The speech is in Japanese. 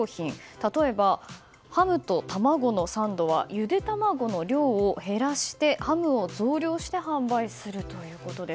例えば、ハムとたまごのサンドはゆで卵の量を減らしてハムを増量して販売するということです。